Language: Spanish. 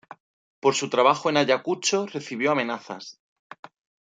Por su trabajo en Ayacucho recibió amenazas.